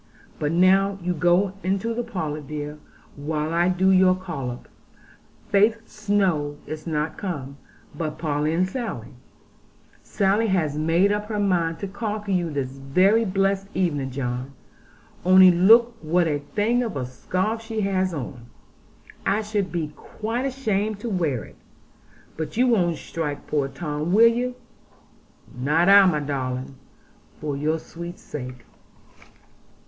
But now you go into the parlour, dear, while I do your collop. Faith Snowe is not come, but Polly and Sally. Sally has made up her mind to conquer you this very blessed evening, John. Only look what a thing of a scarf she has on; I should be quite ashamed to wear it. But you won't strike poor Tom, will you?' 'Not I, my darling, for your sweet sake.'